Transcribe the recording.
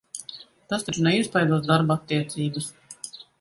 Tas taču neiespaidos darba attiecības?